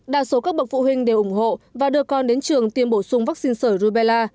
đa số các bậc phụ huynh đều ủng hộ và đưa con đến trường tiêm bổ sung vaccine sởi rubella